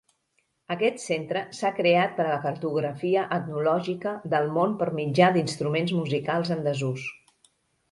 Aquest centre s'ha creat per a la cartografia etnològica del món per mitjà d'instruments musicals en desús.